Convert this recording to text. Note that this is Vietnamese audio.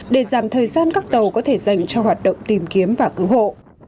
để giảm thời gian các tàu có thể dành cho hoạt động tìm kiếm và cứu hộ